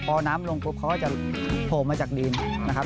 พอน้ำลงปุ๊บเขาก็จะโผล่มาจากดินนะครับ